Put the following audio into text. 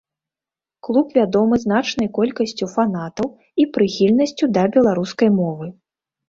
Клуб вядомы значнай колькасцю фанатаў і прыхільнасцю да беларускай мовы.